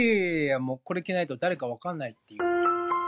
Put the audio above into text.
もう、これ着ないと誰か分からないっていう。